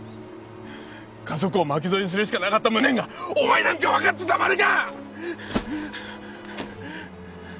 家族を巻き添えにするしかなかった無念がお前なんか分かってたまるか！